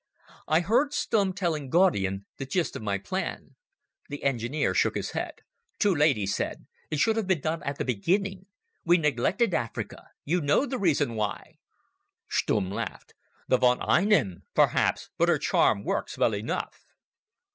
I heard Stumm telling Gaudian the gist of my plan. The engineer shook his head. "Too late," he said. "It should have been done at the beginning. We neglected Africa. You know the reason why." Stumm laughed. "The von Einem! Perhaps, but her charm works well enough."